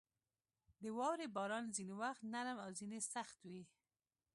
• د واورې باران ځینې وخت نرم او ځینې سخت وي.